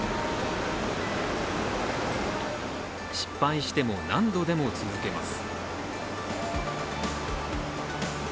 失敗しても何度でも続けます。